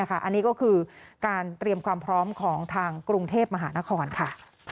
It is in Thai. อันนี้ก็คือการเตรียมความพร้อมของทางกรุงเทพมหานครค่ะ